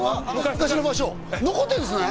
昔の場所残ってるんですね？